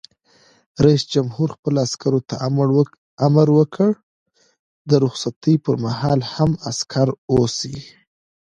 رئیس جمهور خپلو عسکرو ته امر وکړ؛ د رخصتۍ پر مهال هم، عسکر اوسئ!